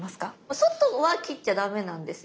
外は切っちゃダメなんですよ。